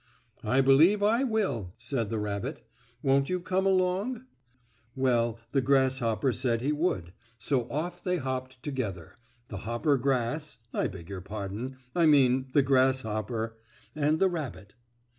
"I believe I will," said the rabbit. "Won't you come along?" Well, the grasshopper said he would, so off they hopped together, the hoppergrass I beg your pardon, I mean the grasshopper and the rabbit.